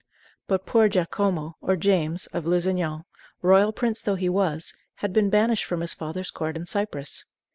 But poor Giacomo, or James, of Lusignan, royal prince though he was, had been banished from his father's court in Cyprus.